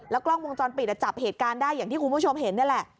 กล้องวงจรปิดจับเหตุการณ์ได้อย่างที่คุณผู้ชมเห็นนี่แหละ